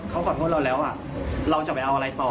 เขาขอโทษเราแล้วเราจะไปเอาอะไรต่อ